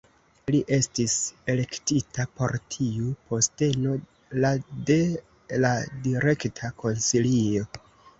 Li estis elektita por tiu posteno la de la Direkta Konsilio.